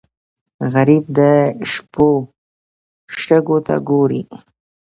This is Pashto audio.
غریب د شپو شګو ته ګوري